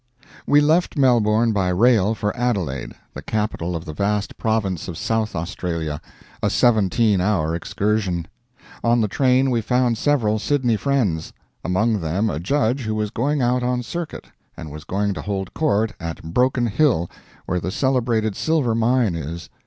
We left Melbourne by rail for Adelaide, the capital of the vast Province of South Australia a seventeen hour excursion. On the train we found several Sydney friends; among them a Judge who was going out on circuit, and was going to hold court at Broken Hill, where the celebrated silver mine is.